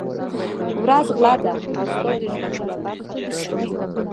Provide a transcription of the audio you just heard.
ورځ غله ده او ستا د ژوند یوه برخه تښتوي.